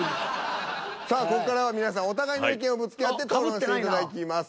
さあここからは皆さんお互いの意見をぶつけ合って討論していただきます。